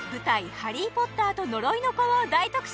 「ハリー・ポッターと呪いの子」を大特集！